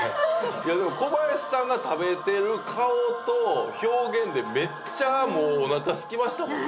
いやでも小林さんが食べてる顔と表現でめっちゃもうおなかすきましたもんね。